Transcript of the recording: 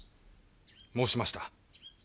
申しました。